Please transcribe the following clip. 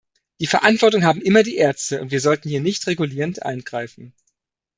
Die Verantwortung haben immer die Ärzte und wir sollten hier nicht regulierend eingreifen.